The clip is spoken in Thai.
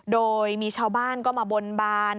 โดยมีชาวบ้านก็มาบนบาน